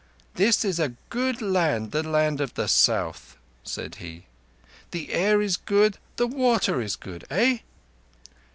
"This is a good land—the land of the South!" said he. "The air is good; the water is good. Eh?"